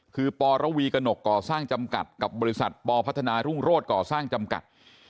คือปรวีกระหนกก่อสร้างจำกัดกับบริษัทปพัฒนารุ่งโรศก่อสร้างจำกัด